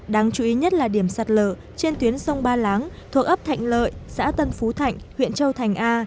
đáng chú ý nhất là điểm sạt lở trên tuyến sông ba láng thuộc ấp thạnh lợi xã tân phú thạnh huyện châu thành a